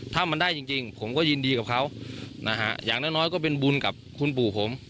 ถ้ามันได้จริงผมก็ยินดีกับเขานะฮะอย่างน้อยก็เป็นบุญกับคุณปู่ผม